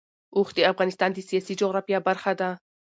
اوښ د افغانستان د سیاسي جغرافیه برخه ده.